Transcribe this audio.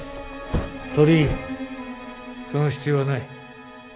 鳥居その必要はない！